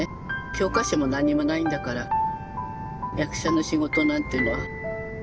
教科書も何もないんだから役者の仕事なんていうのは。